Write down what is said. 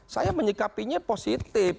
saya menyikapinya positif